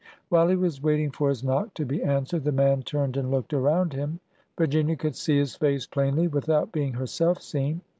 While he was waiting for his knock to be answered, the man turned and looked around him. Vir ginia could see his face plainly without being herself seen.